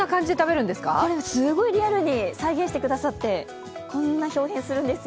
すごいリアルに再現してくださって、こんな豹変するんですよ。